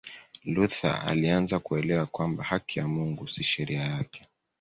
Luther alianza kuelewa kwamba haki ya Mungu si sheria yake